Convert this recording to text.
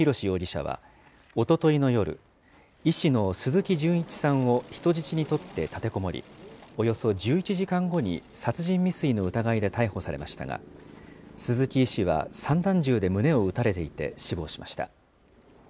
容疑者はおとといの夜、医師の鈴木純一さんを人質にとって立てこもり、およそ１１時間後に殺人未遂の疑いで逮捕されましたが、鈴木医師は散弾銃で胸を撃たれていて死亡しました。